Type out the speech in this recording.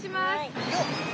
よっ。